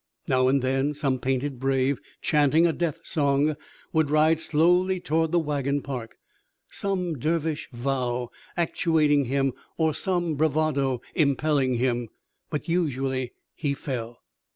Now and then some painted brave, chanting a death song, would ride slowly toward the wagon park, some dervish vow actuating him or some bravado impelling him. But usually he fell.